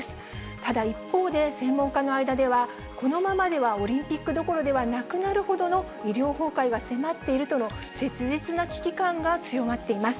ただ、一方で専門家の間では、このままではオリンピックどころではなくなるほどの、医療崩壊が迫っているとの切実な危機感が強まっています。